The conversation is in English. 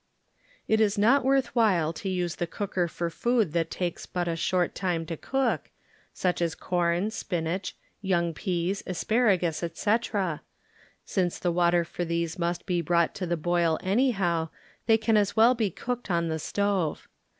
It is not worth while to use the cooker for food that takes but a short time to cook, such as corn, spinach, young peas, asparagus, etc., since the water for these must be brought to the boil anyhow, they can as well be cooked on the stove.